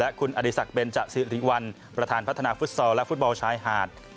คุณอดีศักดิเบนจสิริวัลประธานพัฒนาฟุตซอลและฟุตบอลชายหาด